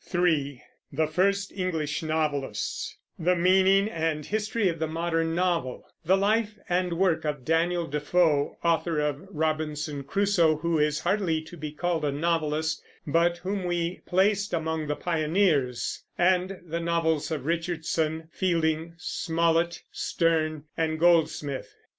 (3) The First English Novelists; the meaning and history of the modern novel; the life and work of Daniel Defoe, author of Robinson Crusoe, who is hardly to be called a novelist, but whom we placed among the pioneers; and the novels of Richardson, Fielding, Smollett, Sterne, and Goldsmith.